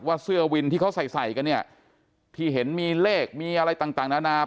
เสื้อวินที่เขาใส่ใส่กันเนี่ยที่เห็นมีเลขมีอะไรต่างนานา